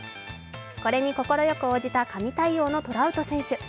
これに快く応じた神対応のトラウト選手。